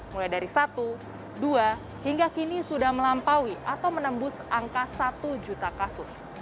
mulai dari satu dua hingga kini sudah melampaui atau menembus angka satu juta kasus